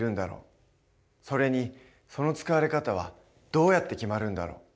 それにその使われ方はどうやって決まるんだろう？